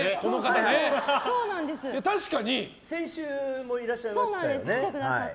先週もいらっしゃいましたね。